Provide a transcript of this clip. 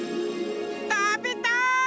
たべたい！